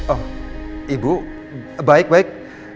oh ibu baik baik